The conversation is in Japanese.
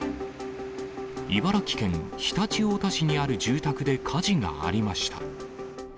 茨城県常陸太田市にある住宅で火事がありました。